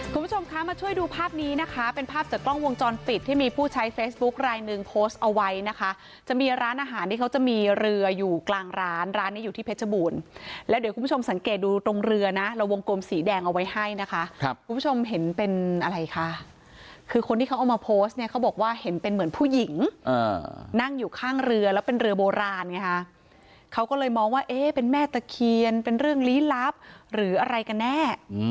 คุณผู้ชมคะมาช่วยดูภาพนี้นะคะเป็นภาพจากกล้องวงจรฟิตที่มีผู้ใช้เฟซบุ๊ครายหนึ่งโพสเอาไว้นะคะจะมีร้านอาหารที่เขาจะมีเรืออยู่กลางร้านร้านนี้อยู่ที่เพชรบูรณ์แล้วเดี๋ยวคุณผู้ชมสังเกตดูตรงเรือนะเราวงกลมสีแดงเอาไว้ให้นะคะครับคุณผู้ชมเห็นเป็นอะไรค่ะคือคนที่เขาเอามาโพสเนี่ยเขาบอกว่าเห็นเป็นเหมือนผ